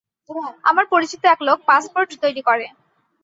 আমার পরিচিত এক লোক পাসপোর্ট তৈরি করে।